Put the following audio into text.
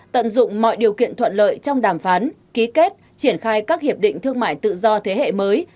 tận dụng mọi điều kiện thuận lợi trong đàm phán ký kết triển khai các hiệp định thương mại tự do thế hệ mới